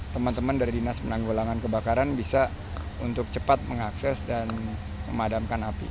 teman teman dari dinas penanggulangan kebakaran bisa untuk cepat mengakses dan memadamkan api